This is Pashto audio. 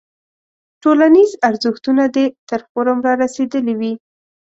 ټولنیز ارزښتونه دې تر فورم رارسېدلی وي.